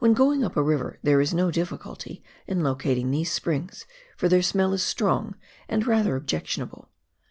57 going up a river, there is no difficulty in locating these springs, for their smell is strong, and rather objectionable.